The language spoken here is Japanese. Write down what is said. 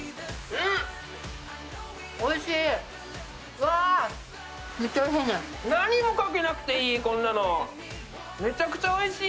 うん、おいしい！